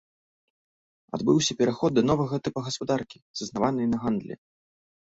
Адбыўся пераход да новага тыпа гаспадаркі, заснаванай на гандлі.